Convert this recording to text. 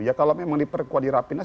ya kalau memang diperkuat di rapinas